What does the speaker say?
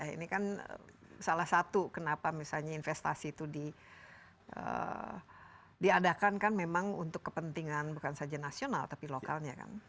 ini kan salah satu kenapa misalnya investasi itu diadakan kan memang untuk kepentingan bukan saja nasional tapi lokalnya kan